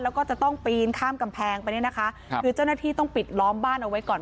แล้วก็จะต้องปีนข้ามกำแพงไปเนี่ยนะคะคือเจ้าหน้าที่ต้องปิดล้อมบ้านเอาไว้ก่อน